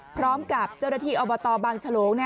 พร้อมกับเจ้าหน้าที่อบตบางฉลง